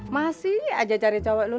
masih aja cari cowok dulu